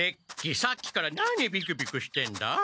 さっきから何ビクビクしてんだ？